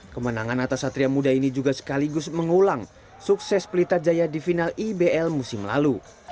kemenangan atas satria muda ini juga sekaligus mengulang sukses pelita jaya di final ibl musim lalu